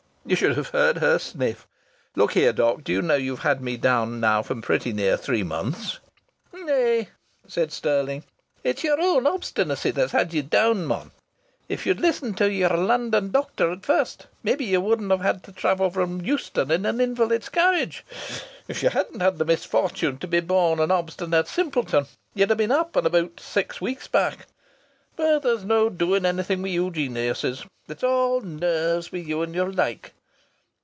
You should have heard her sniff!... Look here, doc., do you know you've had me down now for pretty near three months?" "Nay," said Stirling, "it's yer own obstinacy that's had ye down, man. If ye'd listened to yer London doctor at first, mayhap ye wouldn't have had to travel from Euston in an invalid's carriage. If ye hadn't had the misfortune to be born an obstinate simpleton ye'd ha' been up and about six weeks back. But there's no doing anything with you geniuses. It's all nerves with you and your like."